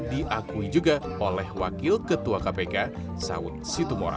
diakui juga oleh wakil ketua kpk saud situmora